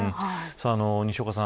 西岡さん